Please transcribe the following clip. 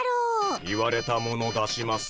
言われたもの出します。